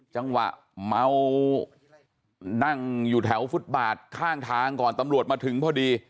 จังหวะเมานั่งอยู่แถวฟุตบาทข้างทางก่อนตำรวจมาถึงพอดี